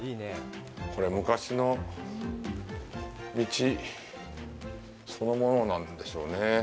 昔の歴史そのものなんでしょうね。